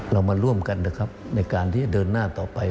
เรามาร่วมกันนะครับในการที่จะเดินหน้าต่อไป